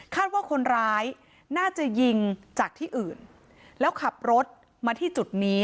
ว่าคนร้ายน่าจะยิงจากที่อื่นแล้วขับรถมาที่จุดนี้